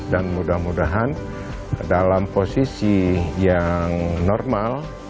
dan mudah mudahan dalam posisi yang normal